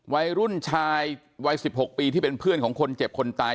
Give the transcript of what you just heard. วัยรุ่นชายวัย๑๖ปีที่เป็นเพื่อนของคนเจ็บคนตาย